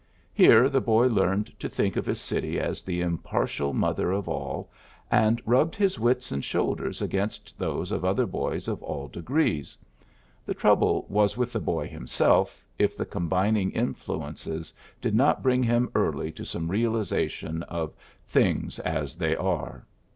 Here the boy learned to think of his city as the impartial mother of all, and rubbed his wits and shoulders against those of other boys of all degrees. The 10 PHILLIPS BEOOKS trouble was with the boy himself, if the combining influences did not bring him early to some realization of ^ things as they are.'